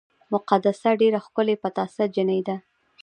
مقدسه ډېره ښکلې پټاسه جینۍ ده